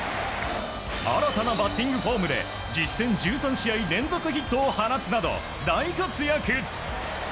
新たなバッティングフォームで実戦１３試合連続ヒットを放つなど大活躍。